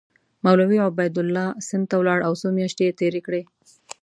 مولوي عبیدالله سند ته ولاړ او څو میاشتې یې تېرې کړې.